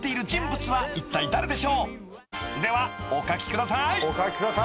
［ではお書きください］